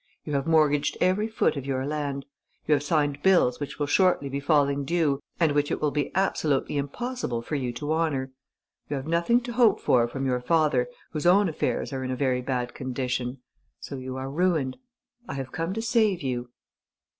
You have mortgaged every foot of your land. You have signed bills which will shortly be falling due and which it will be absolutely impossible for you to honour. You have nothing to hope for from your father, whose own affairs are in a very bad condition. So you are ruined. I have come to save you.'...